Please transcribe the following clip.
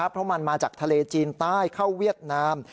เพราะมันมาจากทะเลจีนใต้เข้าเวียดนาม